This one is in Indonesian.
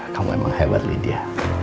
kamu emang hebat lydia